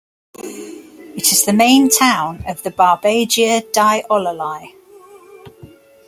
It is the main town of the Barbagia di Ollolai.